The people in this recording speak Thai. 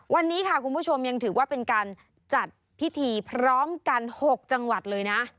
วันนี้ค่ะคุณผู้ชมยังถือว่าเป็นการจัดพิธีพร้อมกัน๖จังหวัดเลยนะ